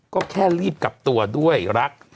ก็แค่รีบกลับตัวด้วยรัก